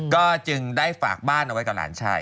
ก็จึงได้ฝากบ้านเอาไว้กับหลานชาย